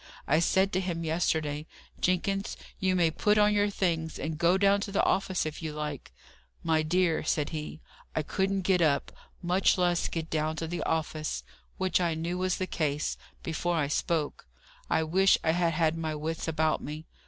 I said to him yesterday, 'Jenkins, you may put on your things, and go down to the office if you like.' 'My dear,' said he, 'I couldn't get up, much less get down to the office;' which I knew was the case, before I spoke. I wish I had had my wits about me!"